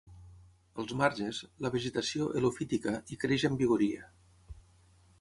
Als marges, la vegetació helofítica hi creix amb vigoria.